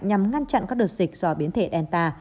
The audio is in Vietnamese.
nhằm ngăn chặn các đợt dịch do biến thể elta